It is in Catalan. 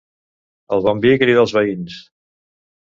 El bon vi crida els veïns.